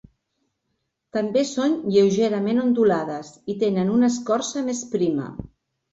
També són lleugerament ondulades i tenen una escorça més prima.